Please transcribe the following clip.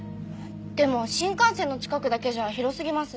でも新幹線の近くだけじゃ広すぎます。